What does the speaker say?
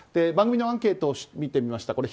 番組のアンケートを見てみました。